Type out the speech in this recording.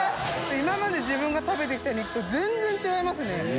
今まで自分が食べて来た肉と全然違いますね！